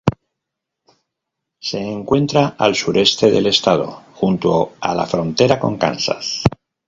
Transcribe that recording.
Se encuentra al sureste del estado, junto a la frontera con Kansas.